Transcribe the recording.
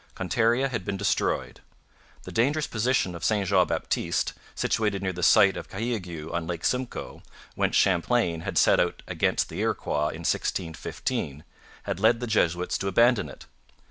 Contarea had been destroyed. The dangerous position of St Jean Baptiste, situated near the site of Cahiague on Lake Simcoe, whence Champlain had set out against the Iroquois in 1615, had led the Jesuits to abandon it.